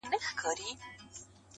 کرونا جدی وګڼی!٫٫